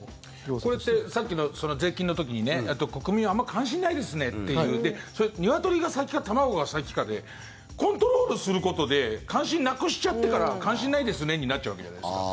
これってさっきの税金の時にね国民はあまり関心ないですねというニワトリが先か、卵が先かでコントロールすることで関心なくしちゃってから関心ないですねになっちゃうわけじゃないですか。